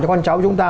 cho con cháu chúng ta